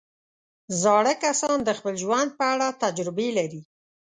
زاړه کسان د خپل ژوند په اړه تجربې لري